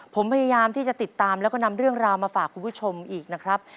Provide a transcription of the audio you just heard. ผมพยายามที่จะติดตามแล้วก็นำเรื่องราวมาฝากคุณผู้ชมอีกนะครับ